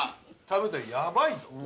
食べたらやばいぞ。